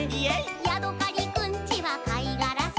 「ヤドカリくんちはかいがらさ」